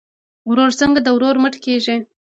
ورور څنګه د ورور مټ کیږي؟